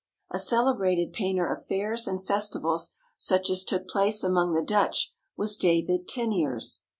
A celebrated painter of fairs and festivals such as took place among the Dutch was David Teniers.